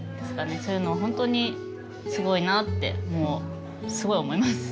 そういうのを本当にすごいなってもうすごい思います。